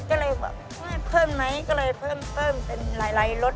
ก็เลยแบบเฮ้ยเพิ่มไหมก็เลยเพิ่มเป็นหลายรส